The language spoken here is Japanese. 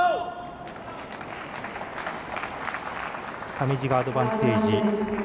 上地がアドバンテージ。